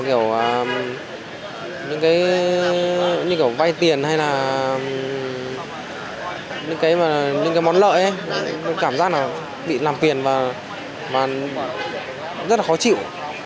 hay là những cái như kiểu vay tiền hay là những cái mà những cái món lợi ấy cảm giác là bị làm phiền và rất là khó chịu